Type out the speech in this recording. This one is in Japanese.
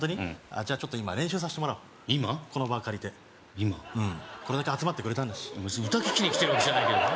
じゃあ今練習させてもらおうこの場を借りて今これだけ集まってくれたんだし歌聴きに来てるわけじゃないけどね